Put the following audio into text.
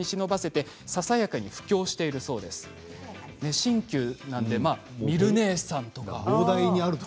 新旧なのでミル姉さんとかね。